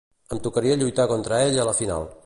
Em tocaria lluitar contra ell a la final.